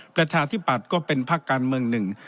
ประชาธิปัตย์ก็เป็นพักการเมืองหนึ่ง